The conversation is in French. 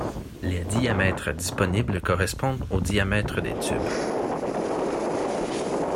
Les diamètres disponibles correspondent aux diamètres des tubes.